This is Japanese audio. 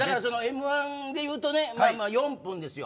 Ｍ‐１でいうと４分ですよ。